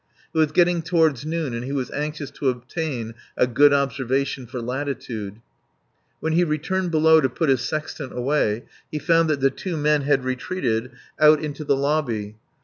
It was getting toward noon and he was anxious to obtain a good observation for latitude. When he returned below to put his sextant away he found that the two men had retreated out into the lobby.